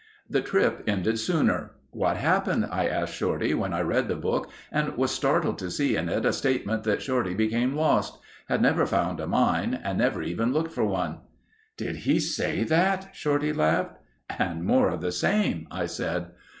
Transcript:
The trip ended sooner. "What happened?" I asked Shorty when I read the book and was startled to see in it a statement that Shorty became lost; had never found a mine; and never even looked for one. "Did he say that?" Shorty laughed. "And more of the same," I said.